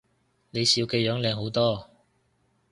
你笑嘅樣靚好多